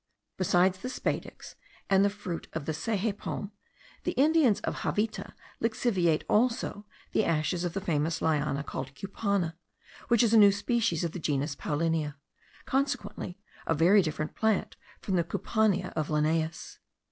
Besides the spadix and the fruit of the seje palm, the Indians of Javita lixiviate also the ashes of the famous liana called cupana, which is a new species of the genus paullinia, consequently a very different plant from the cupania of Linnaeus.